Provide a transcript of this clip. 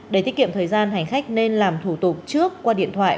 để tiết kiệm thời gian hành khách nên làm thủ tục trước qua điện thoại